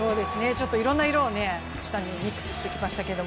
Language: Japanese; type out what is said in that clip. いろんな色をミックスしてきましたけど。